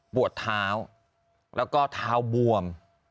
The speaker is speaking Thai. ปวดเท้าและเท้าบวม